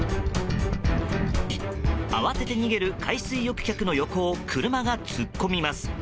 慌てて逃げる海水浴客の横を車が突っ込みます。